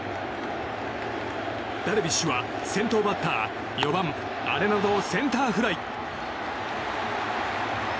ダルビッシュは先頭バッター４番、アレナドをセンターフライ。